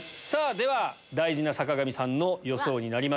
では大事な坂上さんの予想になります。